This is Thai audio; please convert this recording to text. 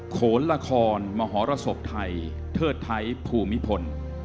ขระข์ขรมหรสบทัยเทอดไทพูมิพล